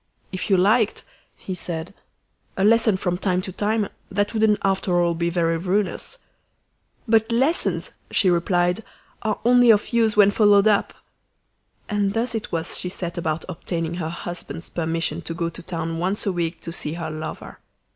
"If you liked," he said, "a lesson from time to time, that wouldn't after all be very ruinous." "But lessons," she replied, "are only of use when followed up." And thus it was she set about obtaining her husband's permission to go to town once a week to see her lover.